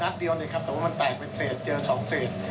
คือนัดเดียวเนี่ยครับแต่ว่ามันแตกเป็นเศษเจอ๒เศษ